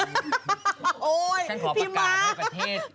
โอ๊ยพี่มะฉันขอประกาศให้ประเทศ